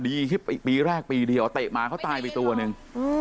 ปีแรกปีเดียวเตะหมาเขาตายไปตัวหนึ่ง